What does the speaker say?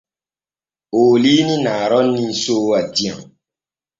Ooliini na roonii soowa diyam.